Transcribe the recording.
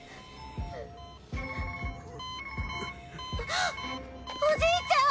あっおじいちゃん！